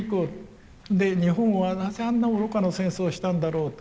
日本はなぜあんな愚かな戦争をしたんだろうと。